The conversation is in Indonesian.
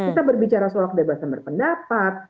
kita berbicara soal kebebasan berpendapat